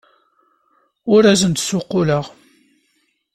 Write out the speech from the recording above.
Ur asen-d-ssuqquleɣ.